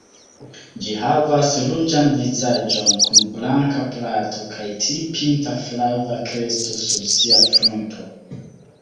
Ĝi havas ruĝan vizaĝon kun blanka plato, kaj tri-pinta flava kresto sur sia frunto.